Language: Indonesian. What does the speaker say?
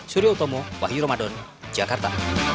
surya utomo wahyu ramadan jakarta